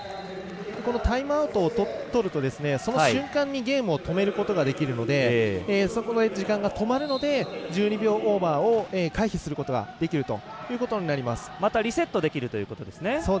このタイムアウトをとるとその瞬間にゲームを止めることができるのでそこの時間が止まるので１２秒オーバーを回避することがまたリセットできるということですね。